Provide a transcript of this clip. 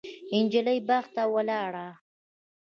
نجلۍ باغ ته ولاړه.